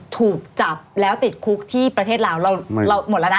ถูกจับแล้วติดคุกที่ประเทศลาวเราหมดแล้วนะ